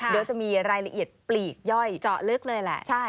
เดี๋ยวจะมีรายละเอียดปลีกย่อยเจาะลึกเลยแหละ